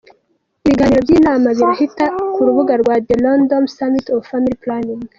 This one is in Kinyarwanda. Ibiganiro by’iyi nama birahita ku rubuga rwa "The London Summit on Family Planning".